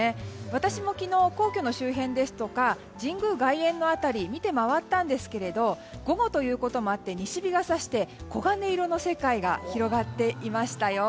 私も昨日、皇居の周辺ですとか神宮外苑の辺りを見て回ったんですが午後ということもあって西日が差して、黄金色の世界が広がっていましたよ。